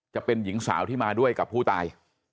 จะเป็นหญิงสาวที่มาด้วยกับผู้ตาย